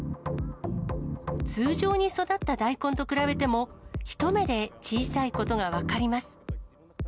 通常に育った大根と比べても、一目で小さいことが分かります。